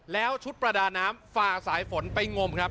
แล้วชุดประดาน้ำฝ่าสายฝนไปงมครับ